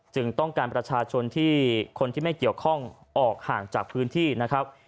ต้องการประชาชนที่คนที่ไม่เกี่ยวข้องออกห่างจากพื้นที่นะครับ